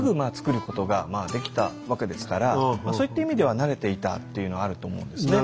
そういった意味では慣れていたっていうのはあると思うんですね。